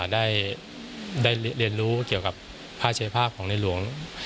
ได้เรียนรู้เกี่ยวกับผ้าเชยภาพของในหลวง